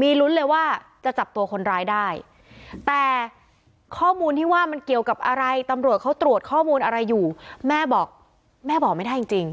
มีลุ้นเลยว่าจะจับตัวคนร้ายได้แต่ข้อมูลที่ว่ามันเกี่ยวกับอะไรตำรวจเขาตรวจข้อมูลอะไรอยู่แม่บอกแม่บอกไม่ได้จริง